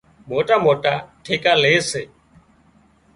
موٽا موٽا ٺيڪا لي سي